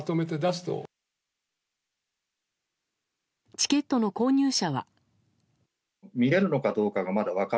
チケットの購入者は。